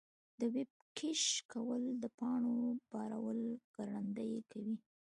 د ویب کیش کول د پاڼو بارول ګړندي کوي.